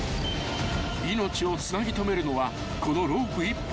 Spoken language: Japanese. ［命をつなぎ留めるのはこのロープ１本のみ］